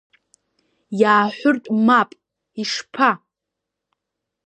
Иааҳәыртә мап, ишԥа!